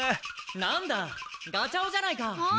なんだガチャオじゃないか。